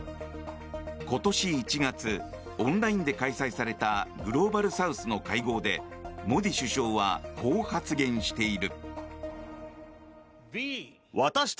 今年１月オンラインで開催されたグローバルサウスの会合でモディ首相はこう発言している。